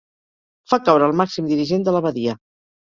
Fa caure el màxim dirigent de l'abadia.